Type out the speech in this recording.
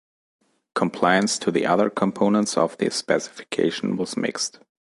Compliance to the other components of the specification was mixed.